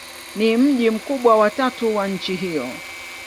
Ni mji mkubwa wa tatu wa nchi hiyo.